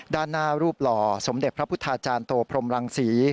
ด้านหน้ารูปหล่อสมเด็จพระพุทธาจารย์โตพรมรังศรี